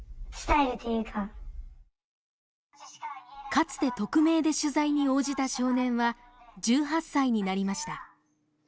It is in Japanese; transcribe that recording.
かつて匿名で取材に応じた少年は１８歳になりました